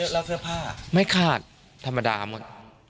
แล้วเสื้อผ้าไม่ขาดธรรมดาหมด